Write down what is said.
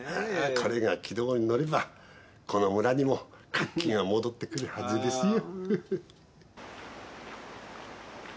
これが軌道に乗ればこの村にも活気が戻ってくるはずですよ。